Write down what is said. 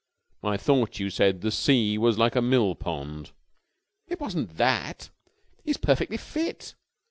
"I thought you said the sea was like a millpond." "It wasn't that! He's perfectly fit.